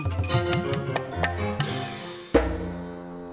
nanti sama mawar dibayarin